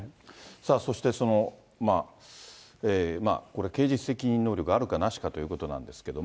さあ、そしてこれ、刑事責任能力あるかなしかということなんですけれども。